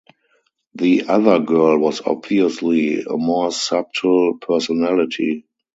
The other girl was obviously a more subtle personality.